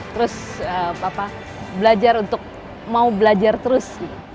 terus belajar untuk mau belajar terus